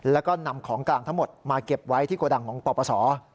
แล้วก็นำของกลางทั้งหมดมาเก็บไว้ที่โกดังของปปศ